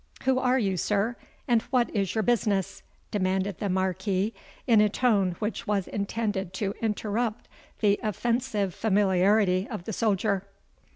"Who are you, sir, and what is your business?" demanded the Marquis, in a tone which was intended to interrupt the offensive familiarity of the soldier.